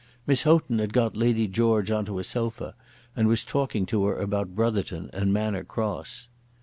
Miss Houghton had got Lady George on to a sofa, and was talking to her about Brotherton and Manor Cross.